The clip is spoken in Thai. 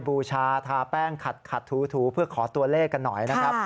บูชาทาแป้งขัดถูเพื่อขอตัวเลขกันหน่อยนะครับ